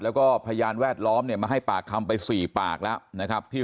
แล้วก็พยานแวดล้อมเนี่ยมาให้ปากคำไป๔ปากแล้วนะครับที่